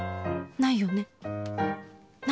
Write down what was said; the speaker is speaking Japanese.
ないよね？